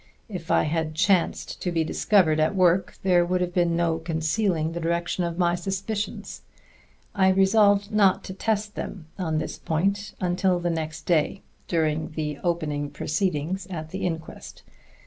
If I had chanced to be discovered at work, there would have been no concealing the direction of my suspicions. I resolved not to test them on this point until the next day, during the opening proceedings at the inquest.